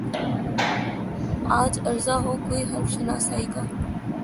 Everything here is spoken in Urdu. آج ارزاں ہو کوئی حرف شناسائی کا